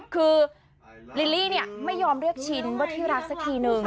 คือลิลลี่เนี่ยไม่ยอมเรียกชิ้นว่าที่รักสักทีนึง